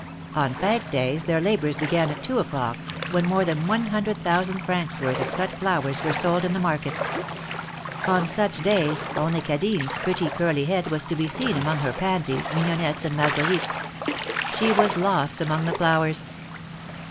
On fete days their labors began at two o'clock, wdien more than one hundred thousand francs worth of cut flowers were sold in the market. On such days, only Cadine's pretty, curly head was to be seen among her pansies, mignonettes and Marguerites; she was lost among the flowers.